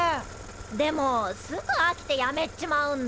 でもすぐあきてやめっちまうんだ。